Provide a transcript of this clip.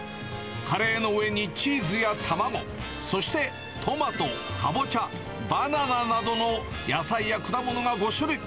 カレーの上にチーズや卵、そしてトマト、カボチャ、バナナなどの野菜や果物が５種類。